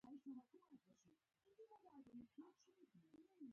احمد د سارا دوی تر کوره تانسته جار کړې ده.